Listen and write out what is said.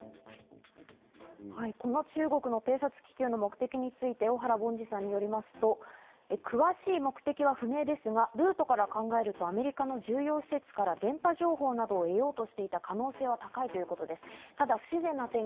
この中国の偵察気球の目的について、小原凡司さんによりますと、詳しい目的は不明ですがルートから考えるとアメリカの重要施設から電波情報などを得ようとしてた可能性は高いということです。